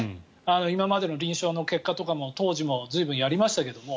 今までの臨床の結果とかも当時も随分やりましたけれども。